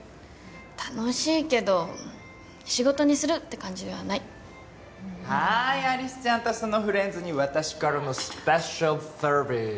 楽しいけど仕事にするって感じではないはい有栖ちゃんとそのフレンズに私からのスペシャルサービス！